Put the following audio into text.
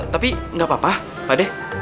tapi gapapa padeh